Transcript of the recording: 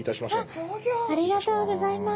ありがとうございます。